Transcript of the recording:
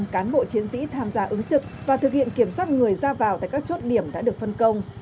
một trăm cán bộ chiến sĩ tham gia ứng trực và thực hiện kiểm soát người ra vào tại các chốt điểm đã được phân công